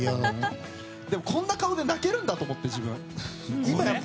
でもこんな顔で泣けるんだと思って、自分。